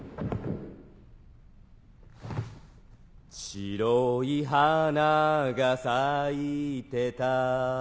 白い花が咲いてた